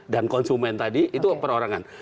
dan konsumen tadi itu perorangan